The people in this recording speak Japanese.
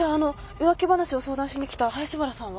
浮気話を相談しに来た林原さんは？